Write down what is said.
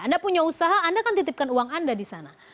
anda punya usaha anda akan titipkan uang anda di sana